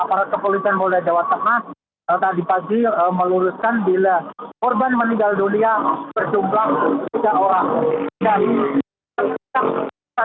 aparat kepolisian polda jawa tengah tadi pagi meluruskan bila korban meninggal dunia berjumlah tiga orang